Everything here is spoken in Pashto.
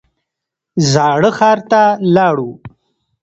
زاړه ښار ته لاړو.